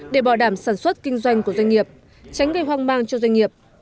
để bảo đảm sản xuất kinh doanh của doanh nghiệp tránh gây hoang mang cho doanh nghiệp